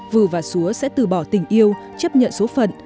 vừa và súa sẽ từ bỏ tình yêu chấp nhận số phận